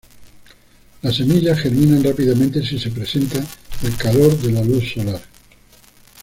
Las semillas germinan rápidamente si se presenta el calor de la luz solar.